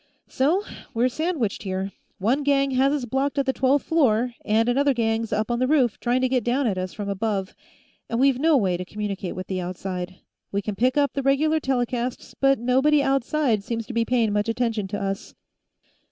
"So we're sandwiched, here; one gang has us blocked at the twelfth floor, and another gang's up on the roof, trying to get down at us from above, and we've no way to communicate with the outside. We can pick up the regular telecasts, but nobody outside seems to be paying much attention to us."